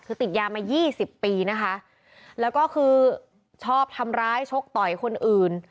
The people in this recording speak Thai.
คือติดยามายี่สิบปีนะคะแล้วก็คือชอบทำร้ายชกต่อยคนอื่น